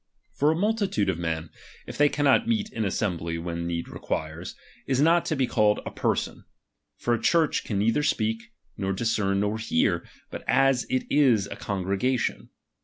For a multitude of men, if they ^| cannot meet in assembly when need requires, is ^| not to be called a pcison. For a Church can ^| neither speak, nor discern, nor hear, but as it is a ^| congregation.